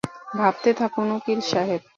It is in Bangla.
ভাবতে থাকুন, উকিল সাহেব।